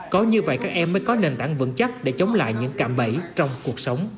có như vậy các em mới có nền tảng vững chắc để chống lại những cạm bẫy trong cuộc sống